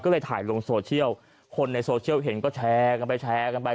ก็เลยถ่ายลงโซเชียลคนในโซเชียลเห็นก็แชร์กันไปแชร์กันไป